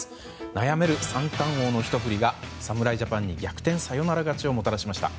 悩める三冠王のひと振りが侍ジャパンに逆転サヨナラ勝ちをもたらしました。